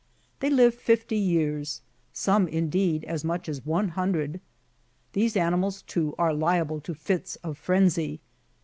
They live fifty years, some indeed as much as one hundred. These animals, too, are liable to fits of frenzy.